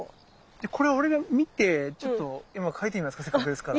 じゃこれは俺が見てちょっと今描いてみますかせっかくですから。